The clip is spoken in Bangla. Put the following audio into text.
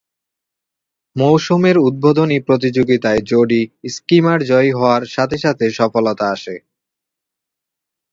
মৌসুমের উদ্বোধনী প্রতিযোগিতায় জোডি স্কিমার জয়ী হওয়ার সাথে সাথে সফলতা আসে।